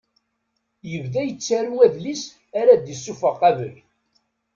Ibda yettaru adlis ara d-isuffeɣ qabel.